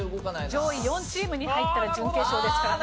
上位４位チームに入ったら準決勝ですからね。